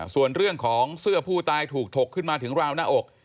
ส่วนเรื่องของเสื้อผู้ตายถูกถกขึ้นมาถึงราวหน้าอก